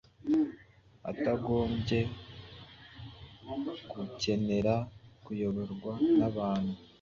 atagombye gukenera kuyoborwa n’abantu;